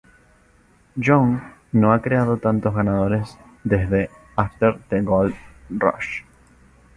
Young no ha creado tantos ganadores desde "After the Gold Rush".